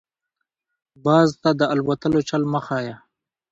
- باز ته دالوتلو چل مه ښیه.